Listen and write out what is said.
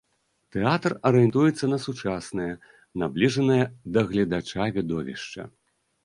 Тэатр арыентуецца на сучаснае, набліжанае да гледача відовішча.